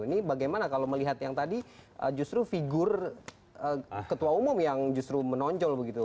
ini bagaimana kalau melihat yang tadi justru figur ketua umum yang justru menonjol begitu